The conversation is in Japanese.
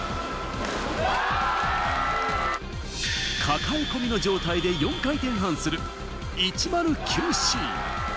かかえ込みの状態で４回転半する１０９Ｃ。